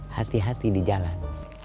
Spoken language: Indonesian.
hati hati di jalan